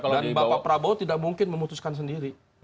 dan bapak prabowo tidak mungkin memutuskan sendiri